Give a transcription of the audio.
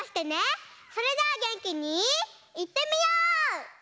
それじゃあげんきにいってみよう！